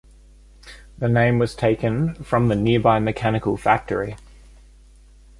The name was taken from the nearby mechanical factory.